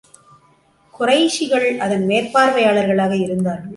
குறைஷிகள் அதன் மேற்பார்வையாளர்களாக இருந்தார்கள்.